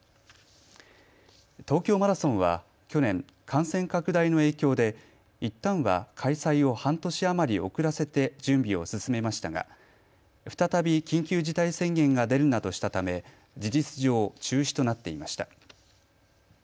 東京マラソンは去年、感染拡大の影響でいったんは開催を半年余り遅らせて準備を進めましたが再び緊急事態宣言が出るなどしたため事実上中止となっていました。